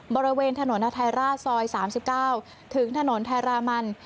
บริเวณถนนอทัยราชซอย๓๙ถึงถนนไทยรามัน